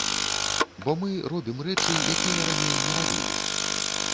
Бо мы робім рэчы, якія раней не рабілі.